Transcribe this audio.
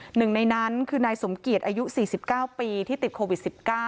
หนึ่งในนั้นคือนายสมเกียจอายุ๔๙ปีที่ติดโควิด๑๙